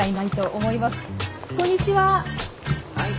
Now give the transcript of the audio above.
はいこんにちは。